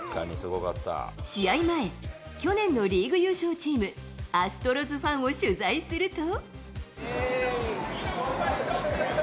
試合前、去年のリーグ優勝チーム、アストロズファンを取材すると。